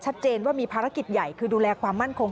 ชัดเจนว่ามีภารกิจใหญ่คือดูแลความมั่นคง